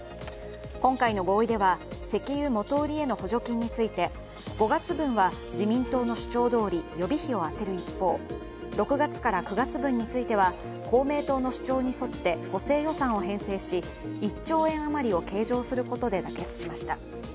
今回の合意では、石油元売りへの補助金について５月分は自民党の主張どおり予備費を充てる一方、６月から９月分については公明党の主張に沿って補正予算を編成し、１兆円余りを計上することで妥結しました。